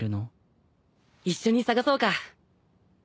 一緒に捜そうか。